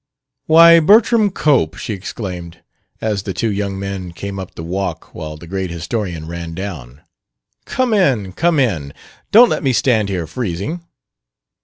"Why, Bertram Cope!" she exclaimed, as the two young men came up the walk while the great historian ran down; "come in, come in; don't let me stand here freezing!"